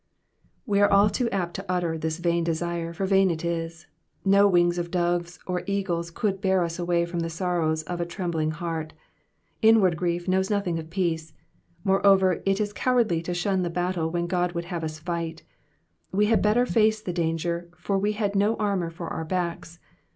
We are all too apt to utter this vain desire, for vain it is ; no wings of doves or eagles could bear us away from the sorrows of a trembling heart. Inward grief knows nothing of place. Moreover, it is cowardly to shun the battle which God would have us fight. We had better face the danger, for we have no armour for our backs.